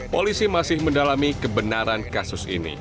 polisi masih mendalami kebenaran kasus ini